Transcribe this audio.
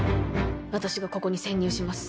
私がここに潜入します。